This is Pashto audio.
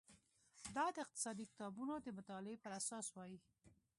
دا د اقتصادي کتابونو د مطالعې پر اساس وای.